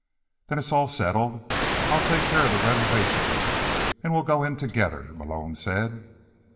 "Then it's all settled. I'll take care of the reservations, and we'll go in together," Malone said.